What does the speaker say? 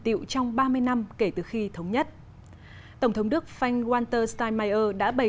tiệu trong ba mươi năm kể từ khi thống nhất tổng thống đức frank walter steinmeier đã bày